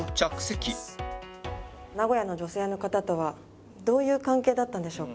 名古屋の女性の方とはどういう関係だったんでしょうか。